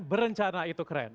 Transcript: berencana itu keren